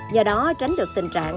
do đó tránh được tình trạng